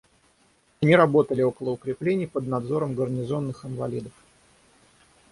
Они работали около укреплений, под надзором гарнизонных инвалидов.